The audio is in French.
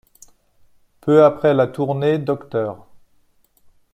Peu après la tournée, Dr.